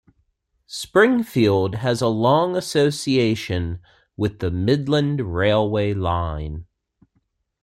Springfield has a long association with the Midland railway line.